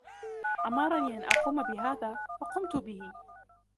أمرني أن أقوم بهذا ، فقمت به.